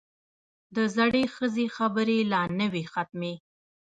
د زړې ښځې خبرې لا نه وې ختمې.